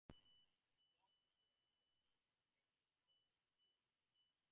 It is loosely based on a traditional Inuit greeting called a "kunik".